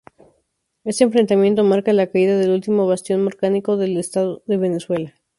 Este enfrentamiento marca la caída del último bastión monárquico del Este de Venezuela.